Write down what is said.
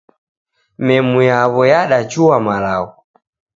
Memu yaw'o yadachua malagho.